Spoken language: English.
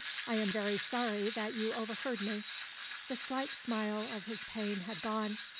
"I am very sorry that you overheard me." The slight smile of his pain had gone.